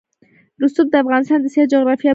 رسوب د افغانستان د سیاسي جغرافیه برخه ده.